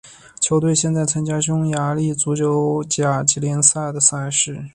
球队现在参加匈牙利足球甲级联赛的赛事。